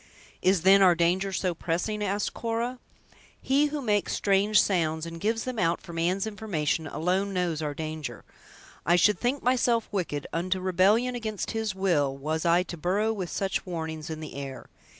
"Is, then, our danger so pressing?" asked Cora. "He who makes strange sounds, and gives them out for man's information, alone knows our danger. I should think myself wicked, unto rebellion against His will, was I to burrow with such warnings in the air!